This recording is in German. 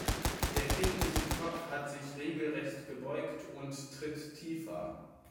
Der kindliche Kopf hat sich regelrecht gebeugt und tritt tiefer.